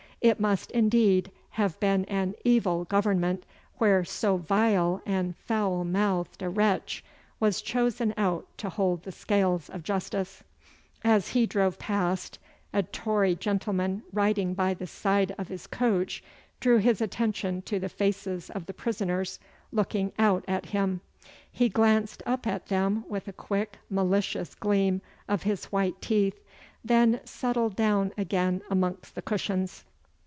It must indeed have been an evil government where so vile and foul mouthed a wretch was chosen out to hold the scales of justice. As he drove past, a Tory gentleman riding by the side of his coach drew his attention to the faces of the prisoners looking out at him. He glanced up at them with a quick, malicious gleam of his white teeth, then settled down again amongst the cushions.